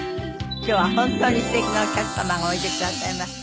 今日は本当に素敵なお客様がおいでくださいました。